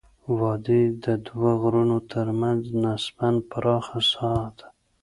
وادي د دوه غرونو ترمنځ نسبا پراخه ساحه ده.